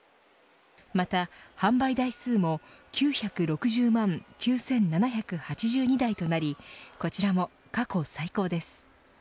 また販売台数も９６０万９７８２台となりこちらも過去最高です。